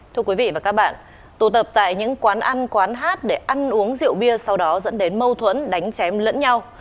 thưa quý vị và các bạn tù tập tại những quán ăn quán hát để ăn uống rượu bia sau đó dẫn đến mâu thuẫn đánh chém lẫn nhau